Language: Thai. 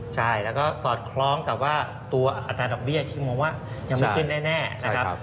ใช่แล้วก็สอดคล้องกับว่าตัวอัตราดอกเบี้ยที่มองว่ายังไม่ขึ้นแน่นะครับ